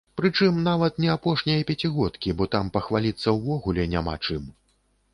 Прычым, нават не апошняй пяцігодкі, бо там пахваліцца ўвогуле няма чым.